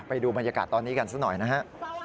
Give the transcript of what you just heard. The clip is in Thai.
ไปดูบรรยากาศตอนนี้กันซะหน่อยนะฮะ